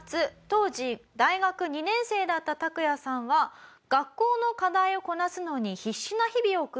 当時大学２年生だったタクヤさんは学校の課題をこなすのに必死な日々を送っていました。